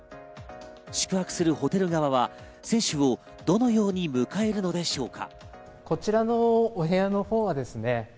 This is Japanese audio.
宿泊するホテル側は選手をどのように迎えるのでしょうか。